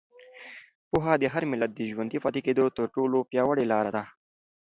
پوهه د هر ملت د ژوندي پاتې کېدو تر ټولو پیاوړې لاره ده.